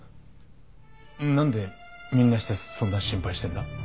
何でみんなしてそんな心配してんだ？